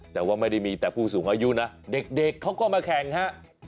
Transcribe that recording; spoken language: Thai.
แต่ว่าไม่ได้มีแต่ผู้สูงอายุนะเด็กเขาก็มาแข่งฮะ